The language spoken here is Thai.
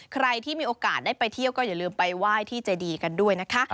ใครที่มีโอกาสได้ไปเที่ยวก็อย่าลืมไปไหว้ที่เจดีกันด้วยนะคะ